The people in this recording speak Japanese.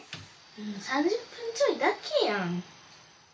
３０分ちょいだけやん。